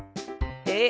えっ？